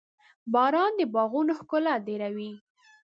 • باران د باغونو ښکلا ډېروي.